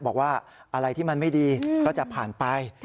บอกว่าอะไรที่มันไม่ดีก็จะผ่านไป